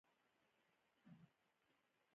پۀ خپله عقيده او نظريه کښې کنفيوز نۀ يم -